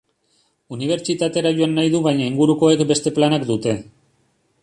Unibertsitatera joan nahi du baina ingurukoek beste planak dute.